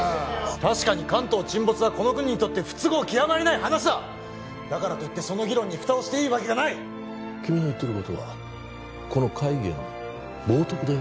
確かに関東沈没はこの国にとって不都合極まりない話だだからといってその議論に蓋をしていいわけがない君の言ってることはこの会議への冒とくだよ